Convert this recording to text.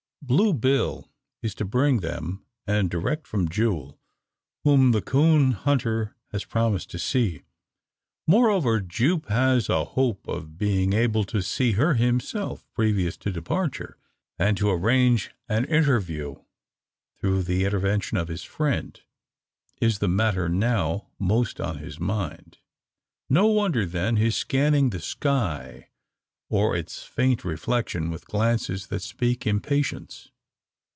Blue Bill is to bring them, and direct from Jule, whom the coon hunter has promised to see. Moreover, Jupe has a hope of being able to see her himself, previous to departure; and to arrange an interview, through the intervention of his friend, is the matter now most on his mind. No wonder, then, his scanning the sky, or its faint reflection, with glances that speak impatience.